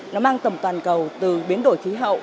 nó mang tầm toàn cầu từ biến đổi khí hậu